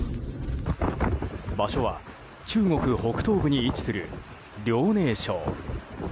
場所は中国北東部に位置する遼寧省。